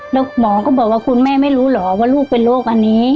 แล้วหมอก็บอกว่าคุณแม่ไม่รู้เหรอว่าลูกเป็นโรคอันนี้